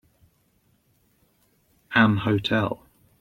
An hotel.